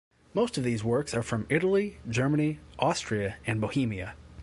Most of these works are from Italy, Germany, Austria and Bohemia.